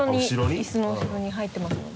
椅子の後ろに入ってますので。